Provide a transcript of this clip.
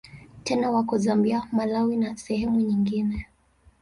Tena wako Zambia, Malawi na sehemu nyingine.